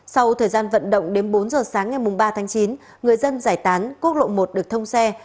sau thời gian vận động đến bốn giờ sáng ngày ba tháng chín người dân giải tán quốc lộ một được thông xe